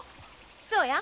そうや。